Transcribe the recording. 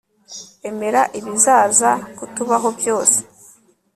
Emera ibizaza kutubaho byose